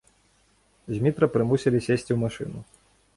Змітра прымусілі сесці ў машыну.